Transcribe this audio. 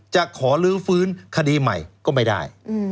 จะขอลื้อฟื้นคดีใหม่ก็ไม่ได้